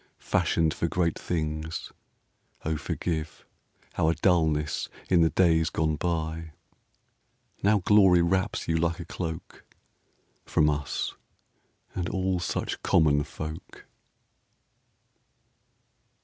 Fashioned for great things, O forgive Our dullness in the days gone by ! Now glory wraps you like a cloak From us, and all such common folk.